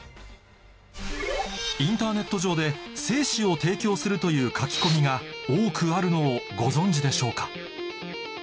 インターネット上で精子を提供するという書き込みが多くあるのをご存じでしょうか？